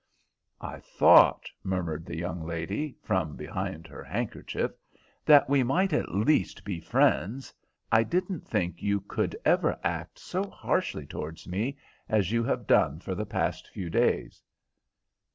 "I thought," murmured the young lady, from behind her handkerchief, "that we might at least be friends. I didn't think you could ever act so harshly towards me as you have done for the past few days."